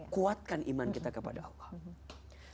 kuatkan iman kita kepada allah